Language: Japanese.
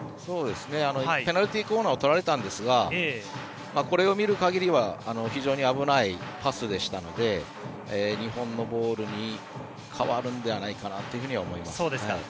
ペナルティーコーナーをとられたんですがこれを見るかぎりは非常に危ないパスでしたので日本のボールに変わるのではないかなというふうには思います。